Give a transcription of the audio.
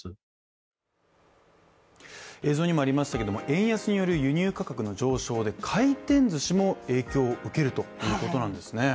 円安による輸入価格の上昇で回転ずしも影響を受けるということなんですね